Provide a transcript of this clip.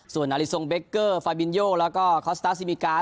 ส่วนนาฬิทรงเบคเกอร์ฟาบินโยแล้วก็คอสตาร์ซิมิกา